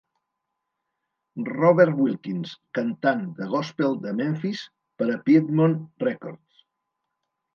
Robert Wilkins: cantant de gòspel de Memphis, per a Piedmont Records.